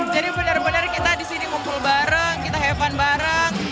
jadi bener bener kita disini ngumpul bareng kita heaven bareng